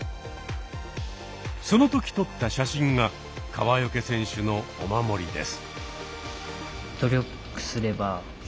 その時撮った写真が川除選手のお守りです。